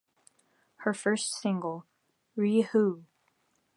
Her first single, Rie who!?